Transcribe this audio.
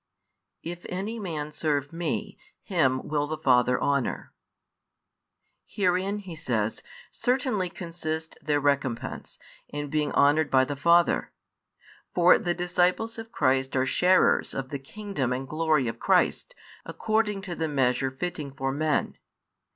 If any man serve Me, him will the Father honour. Herein, He says, certainly consists their recompense, in being honoured by the Father: for the disciples of Christ are sharers of the kingdom and glory of Christ, according to the measure fitting for men.